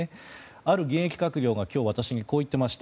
ある現役閣僚が今日、私にこう言っていました。